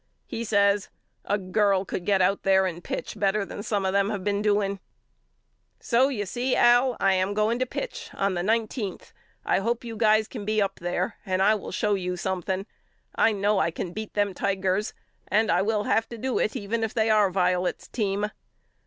He says A girl could get out there and pitch better than some of them have been doing. So you see Al I am going to pitch on the nine teenth. I hope you guys can be up there and I will show you something. I know I can beat them Tigers and I will have to do it even if they are Violet's team.